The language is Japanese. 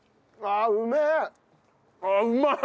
あっうまい！